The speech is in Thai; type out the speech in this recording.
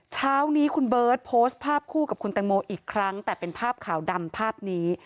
เช้านี้คุณเบิร์ตโพสต์ภาพคู่กับคุณแตงโมอีกครั้งแต่เป็นภาพขาวดำภาพนี้